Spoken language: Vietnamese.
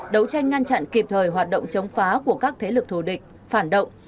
đấu tranh ngăn chặn kịp thời hoạt động chống phá của các thế lực thù địch phản động